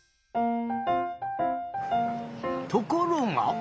ところが。